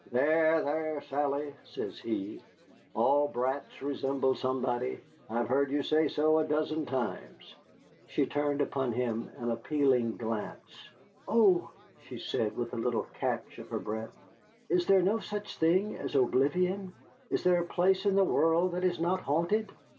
"There, there, Sally," says he, "all brats resemble somebody. I have heard you say so a dozen times." She turned upon him an appealing glance. "Oh!" she said, with a little catch of her breath, "is there no such thing as oblivion? Is there a place in the world that is not haunted?